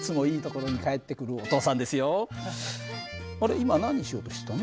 今何しようとしてたの？